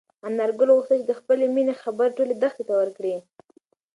انارګل غوښتل چې د خپلې مېنې خبر ټولې دښتې ته ورکړي.